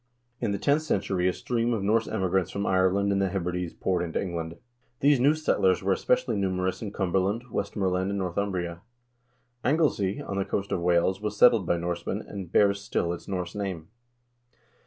In the tenth century a stream of Norse emigrants from Ireland and the Hebrides poured into England. These new settlers were especially numerous in Cumberland, Westmoreland, and Northum bria. Anglesey, on the coast of Wales, was settled by Norsemen, and bears still its Norse name.